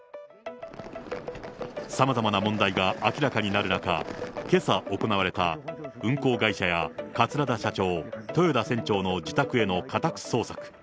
さまざまな問題が明らかになる中、けさ行われた運航会社や桂田社長、豊田船長の自宅への家宅捜索。